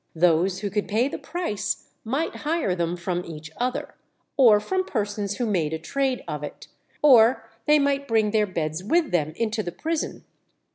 Those who could pay the price might hire them from each other, or from persons who made a trade of it, or they might bring their beds with them into the prison.